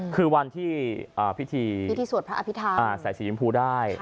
คือวันที่พิธีพิธีสวดพระอภิษฐรรใส่สีชมพูได้